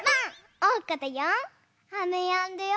おうかだよ。